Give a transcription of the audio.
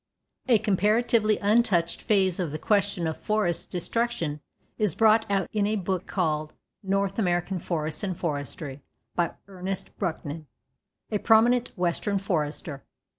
A comparatively untouched phase of the question of forest destruction is brought out in a book called "North American Forests and Forestry," by Ernest Bruncken, a prominent western forester.